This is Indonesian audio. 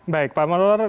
baik pak mardular